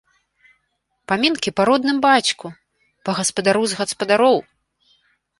Памінкі па родным бацьку, па гаспадару з гаспадароў!